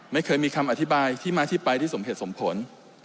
ไม่เคยมีคำอธิบายที่มาที่ไปที่สมเหตุสมผล